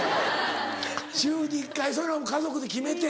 週に１回それを家族で決めて。